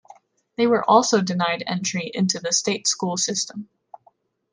They were also denied entry into the state school system.